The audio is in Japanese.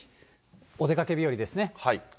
お出かけ日和ですね。